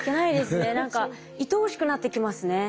何かいとおしくなってきますね。